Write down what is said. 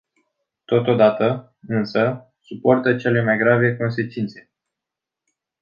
Totodată, însă, suportă cele mai grave consecințe.